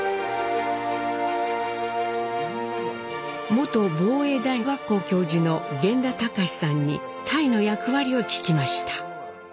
元防衛大学校教授の源田孝さんに隊の役割を聞きました。